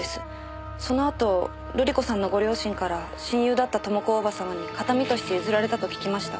そのあと瑠璃子さんのご両親から親友だった朋子大叔母様に形見として譲られたと聞きました。